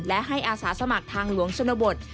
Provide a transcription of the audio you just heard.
และให้อาสาสมัครทางหลวงชนบท